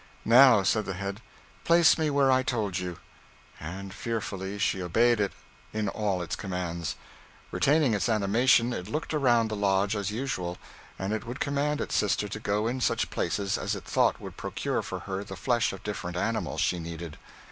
'Now,' said the head, 'place me where I told you.' And fearfully she obeyed it in all its commands. Retaining its animation, it looked around the lodge as usual, and it would command its sister to go in such places as it thought would procure for her the flesh of different animals she needed.